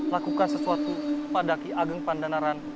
lakukan sesuatu pada ki ageng pandana ran